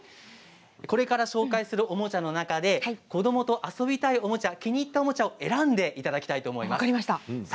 これから紹介するおもちゃの中で子どもと遊びたいおもちゃ気に入ったおもちゃを選んでいただきます。